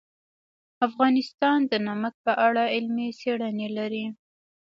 افغانستان د نمک په اړه علمي څېړنې لري.